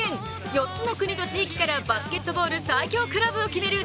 ４つの国と地域からバスケットボール最強クラブを決める